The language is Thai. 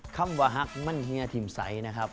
คำว่าฮักมั่นเฮียทิมใสนะครับ